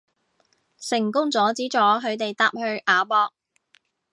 成功阻止咗佢哋搭去亞博